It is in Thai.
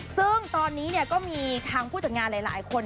ซึ่งตอนนี้ก็มีทางผู้จัดงานหลายคน